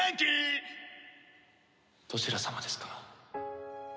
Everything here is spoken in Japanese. どちら様ですか？